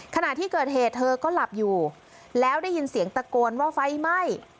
ขณะที่เกิดเหตุเธอก็หลับอยู่แล้วได้ยินเสียงตะโกนว่าไฟไหม้